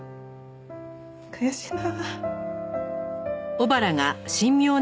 悔しいな。